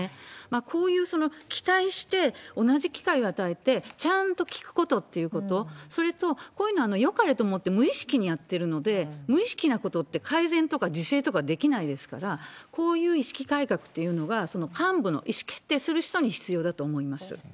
こういう期待して同じ機会を与えて、ちゃんと聞くことっていうこと、それと、こういうのは、よかれと思って無意識にやってるので、無意識なことって、改善とか自制とかできないですから、こういう意識改革というのが、その幹部の意思決定する人に必要だと思います。